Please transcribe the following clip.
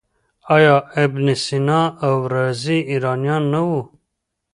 آیا ابن سینا او رازي ایرانیان نه وو؟